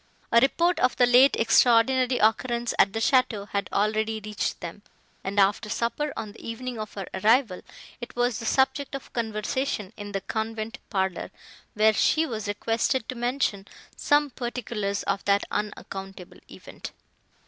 A report of the late extraordinary occurrence at the château had already reached them, and, after supper, on the evening of her arrival, it was the subject of conversation in the convent parlour, where she was requested to mention some particulars of that unaccountable event.